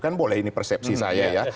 kan boleh ini persepsi saya ya